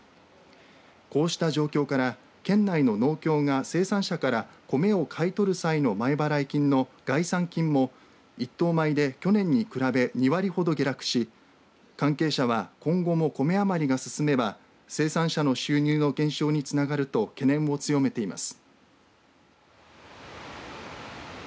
こうした状況から県内の農協が生産者からコメを買い取る際の前払い金の概算金も１等米で去年に比べ２割ほど下落し関係者は今後もコメ余りが進めば生産者の収入の減少につながると懸念を強めています。